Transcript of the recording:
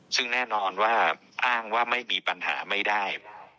ซึ่งแน่นอนว่าอ้างว่าไม่มีปัญหาไม่ได้